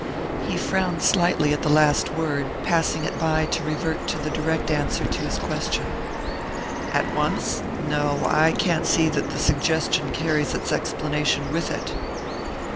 He frowned slightly at the last word, passing it by to revert to the direct answer to his question. "At once? No I can't see that the suggestion carries its explanation with it."